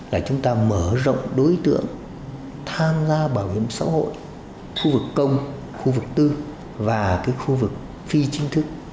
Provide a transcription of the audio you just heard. là chúng ta mở rộng đối tượng tham gia bảo hiểm xã hội khu vực công khu vực tư và cái khu vực phi chính thức